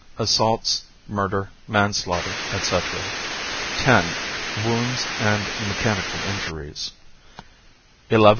Assaults, Murder, Manslaughter, etc. 21 X. Wounds and Mechanical Injuries 21 XI.